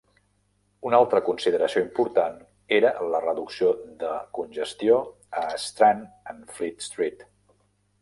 Una altra consideració important era la reducció de congestió a Strand and Fleet Street.